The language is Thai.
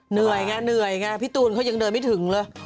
เหนื่อยไงพี่ตูนเขายังเดินไม่ถึงหรือ